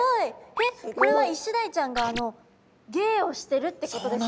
えっこれはイシダイちゃんが芸をしてるってことですか？